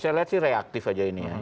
saya lihat sih reaktif aja ini ya